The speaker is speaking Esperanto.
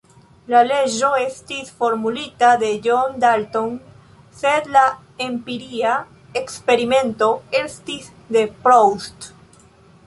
La leĝo estis formulita de John Dalton, sed la empiria eksperimento estis de Proust.